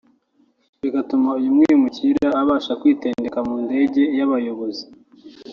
bigatuma uyu mwimukira abasha kwitendeka mu ndege y’abayobozi